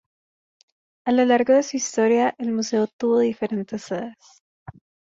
A lo largo de su historia el Museo, tuvo diferentes sedes.